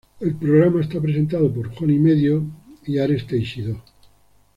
El programa está presentado por Juan y Medio y Ares Teixidó.